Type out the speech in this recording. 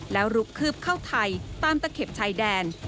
แล้วลุกคืบเข้าไทยตามตะเข็บชายแดน